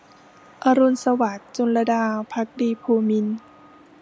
อรุณสวัสดิ์ - จุลลดา ภักดีภูมินทร์